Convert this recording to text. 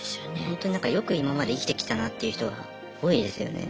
ほんとになんかよく今まで生きてきたなっていう人が多いですよね。